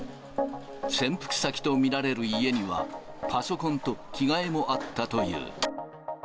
潜伏先と見られる家には、パソコンと着替えもあったという。